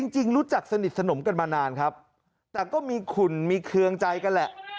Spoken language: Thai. จริงรู้จักสนิทสนมกันมานานครับแต่ก็มีขุ่นมีเครื่องใจกันแหละ